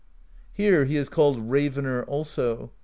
Here he is called Ravener also.